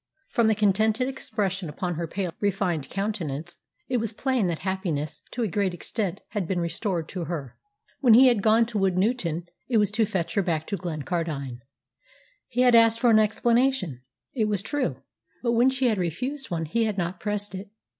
From the contented expression upon her pale, refined countenance, it was plain that happiness, to a great extent, had been restored to her. When he had gone to Woodnewton it was to fetch her back to Glencardine. He had asked for an explanation, it was true; but when she had refused one he had not pressed it.